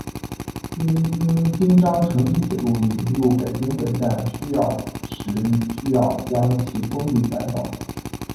因应京张城际铁路引入北京北站需要时需要将其封闭改造。